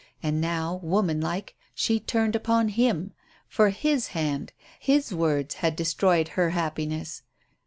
And now, woman like, she turned upon him for his hand, his words had destroyed her happiness.